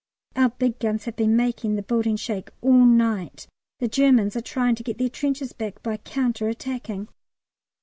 Our big guns have been making the building shake all night. The Germans are trying to get their trenches back by counter attacking.